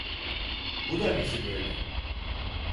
Bu da nesi böyle?